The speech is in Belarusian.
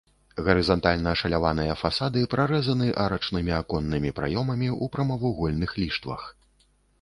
Гарызантальна ашаляваныя фасады прарэзаны арачнымі аконнымі праёмамі ў прамавугольных ліштвах.